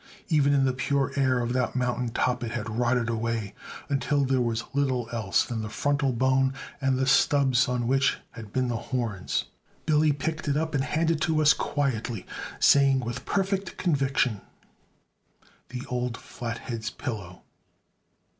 Even in the pure air of that mountain top it had rotted away until there was little else than the frontal bone and the stubs on which had been the horns. Billy picked it up and handed it to us quietly, saying with perfect conviction, "The old Flathead's pillow!"